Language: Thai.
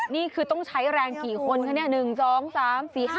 นี่คือต้องใช้แรงกี่คนค่ะหนึ่งสองสามสี่ห้า